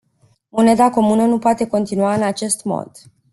Moneda comună nu poate continua în acest mod.